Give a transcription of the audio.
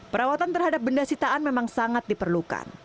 perawatan terhadap benda sitaan memang sangat diperlukan